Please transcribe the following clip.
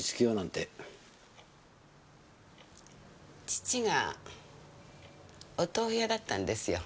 父がお豆腐屋だったんですよ。